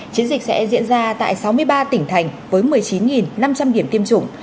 chiến dịch sẽ diễn ra tại sáu mươi ba tỉnh thành với một mươi chín năm trăm linh điểm tiêm chủng